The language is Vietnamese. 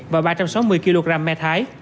và ba trăm sáu mươi kg me thái